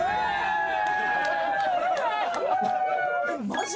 マジ？